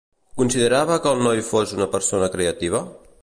Considerava que el noi fos una persona creativa?